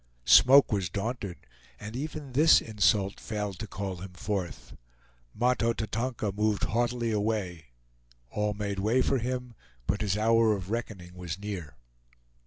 Smoke was daunted, and even this insult failed to call him forth. Mahto Tatonka moved haughtily away; all made way for him, but his hour of reckoning was near.